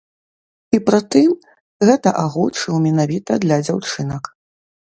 І прытым гэта агучыў менавіта для дзяўчынак.